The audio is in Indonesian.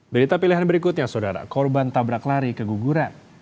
berita pilihan berikutnya saudara korban tabrak lari keguguran